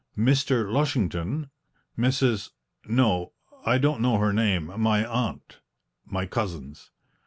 "Mr. Lushington, Mrs. no, I don't know her name my aunt my cousins."